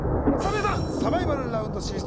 皆さんサバイバルラウンド進出